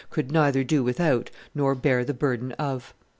could neither do without nor bear the burden of.